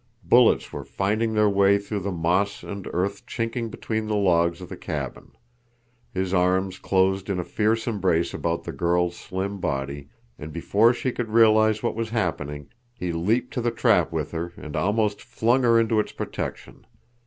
Bullets were finding their way through the moss and earth chinking between the logs of the cabin. His arms closed in a fierce embrace about the girl's slim body, and before she could realize what was happening, he leaped to the trap with her and almost flung her into its protection.